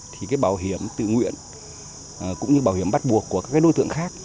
thì bảo hiểm tư nguyện cũng như bảo hiểm bắt buộc của các đối tượng khác